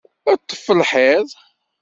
Ṭṭef lḥiḍ!